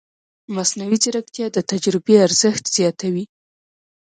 مصنوعي ځیرکتیا د تجربې ارزښت زیاتوي.